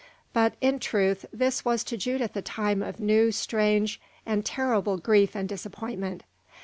But, in truth, this was to Judith a time of new, strange, and terrible grief and disappointment.